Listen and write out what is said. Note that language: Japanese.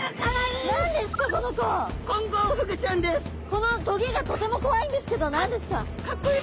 このトゲがとてもこわいんですけど何ですか？